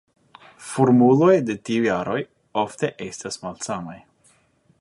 Formuloj de tiuj aroj ofte estas malsamaj.